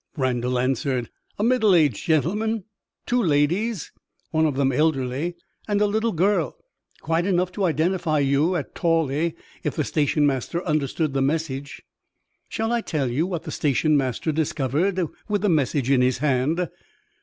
Randal answered. "A middle aged gentleman two ladies, one of them elderly and a little girl. Quite enough to identify you at Tawley, if the station master understood the message." "Shall I tell you what the station master discovered, with the message in his hand?